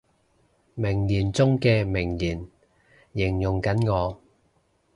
名言中嘅名言，形容緊我